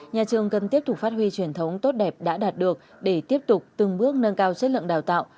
nhà trường cần tiếp tục phát huy truyền thống tốt đẹp đã đạt được để tiếp tục từng bước nâng cao chất lượng đào tạo